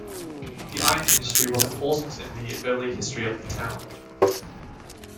The iron industry was important in the early history of the town.